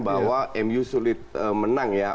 bahwa mu sulit menang ya